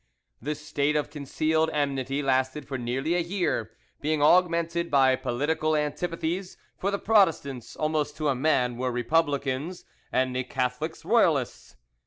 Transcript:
This state of concealed enmity lasted for nearly a year, being augmented by political antipathies; for the Protestants almost to man were Republicans, and the Catholics Royalists.